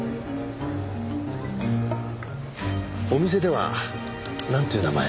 お店ではなんていう名前？